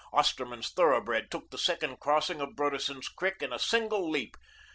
Osterman's thoroughbred took the second crossing of Broderson's Creek in a single leap.